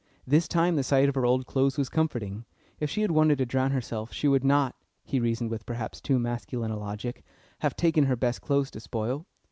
This time the sight of her old clothes was comforting; if she had wanted to drown herself, she would not he reasoned with perhaps too masculine a logic have taken her best clothes to spoil.